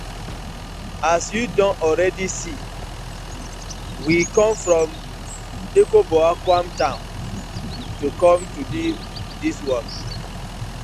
As yu don already see, we com from Ekoboakwan town to com to do dis work.